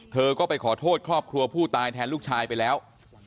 เธอก็ไปขอโทษครอบครัวผู้ตายแทนลูกชายไปแล้ว